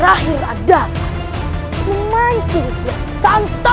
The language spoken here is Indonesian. aku tak tahu kok obviousnya